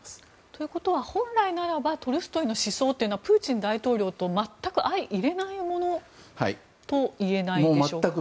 ということは本来ならばトルストイの思想はプーチン大統領と全く相いれないものといえないでしょうか。